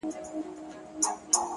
چيلمه ويل وران ښه دی برابر نه دی په کار